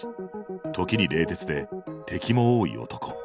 時に冷徹で敵も多い男